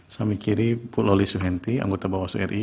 sami kiri bu loli suhenti anggota bawas ri